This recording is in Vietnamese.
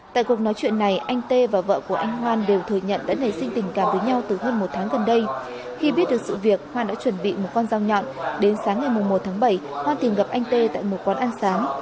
tại cuộc nói chuyện này anh tê và vợ của anh hoan đều thừa nhận đã nảy sinh tình cảm với nhau từ hơn một tháng gần đây khi biết được sự việc hoan đã chuẩn bị một con dao nhọn đến sáng ngày một tháng bảy hoa tìm gặp anh tê tại một quán ăn sáng